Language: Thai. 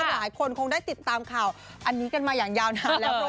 หลายคนคงได้ติดตามข่าวอันนี้กันมาอย่างยาวนานแล้ว